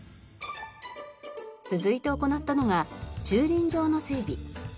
続いて行ったのが駐輪場の整備。